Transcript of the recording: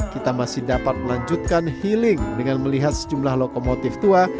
kita masih dapat melanjutkan healing dengan melihat sejumlah lokomotif tua